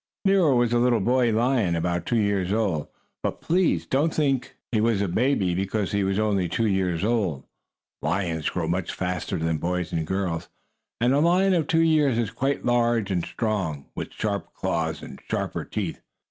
Nero was a little boy lion, about two years old, but please don't think he was a baby because he was only two years old. Lions grow much faster than boys and girls, and a lion of two years is quite large and strong, with sharp claws and sharper teeth.